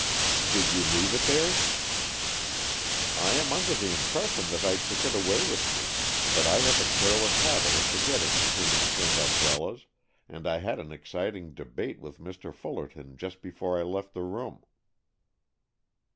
"Did you leave it there?" "I am under the impression that I took it away with me, but I have a careless habit of forgetting canes and umbrellas, and I had an exciting debate with Mr. Fullerton just before I left the room."